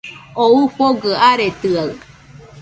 O ɨfogɨ aretɨaɨ